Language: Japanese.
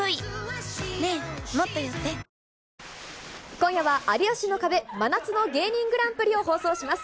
今夜は有吉の壁真夏の芸人グランプリを放送します。